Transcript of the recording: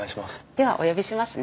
ではお呼びしますね。